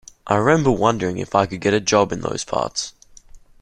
I remember wondering if I could get a job in those parts.